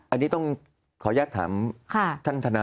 อันนี้ต้องขออนุญาตถามท่านธนา